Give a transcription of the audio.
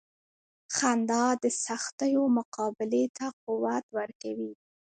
• خندا د سختیو مقابلې ته قوت ورکوي.